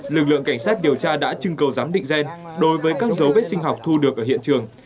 lực lượng cảnh sát điều tra đã trưng cầu giám định gen đối với các dấu vết sinh học thu được ở hiện trường